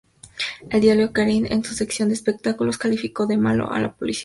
El Diario Clarín, en su sección de "Espectáculos", calificó de ""Malo"" al policial.